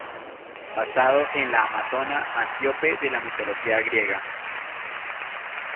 Basado en la Amazona Antíope de la Mitología griega.